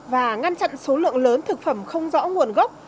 và ngăn chặn số lượng lớn thực phẩm không rõ nguồn gốc